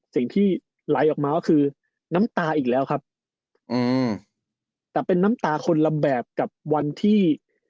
สิ่งที่ไหลออกมาก็คือน้ำตาอีกแล้วครับอืมแต่เป็นน้ำตาคนละแบบกับวันที่